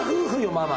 ママ！